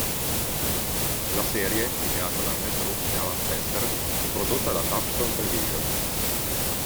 La serie, ideata da Mel Brooks e Alan Spencer, fu prodotta da Touchstone Television.